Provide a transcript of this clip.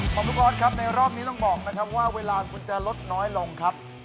ขอบทุกคนครับในรอบนี้ต้องบอกมาทำว่าเวลาคุณจะลดน้อยลงครับ